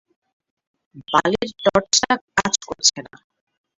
বালের টর্চটা কাজ করছে না।